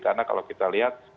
karena kalau kita lihat